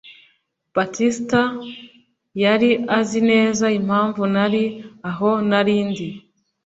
Baptiste yari azi neza impamvu nari aho nari ndi